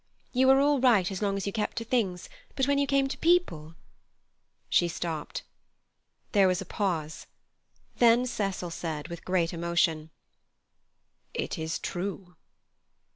You were all right as long as you kept to things, but when you came to people—" She stopped. There was a pause. Then Cecil said with great emotion: "It is true."